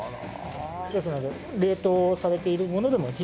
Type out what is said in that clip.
ですので冷凍されているものでも大変貴重なもの。